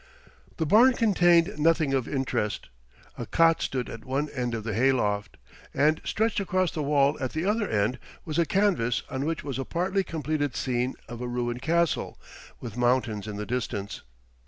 The barn contained nothing of interest. A cot stood at one end of the hay loft; and stretched across the wall at the other end was a canvas on which was a partly completed scene of a ruined castle, with mountains in the distance.